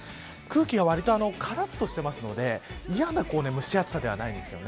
空気がわりとからっとしていますので嫌な蒸し暑さではないんです。